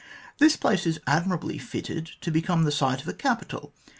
This place is admirably fitted to become the site of a capital.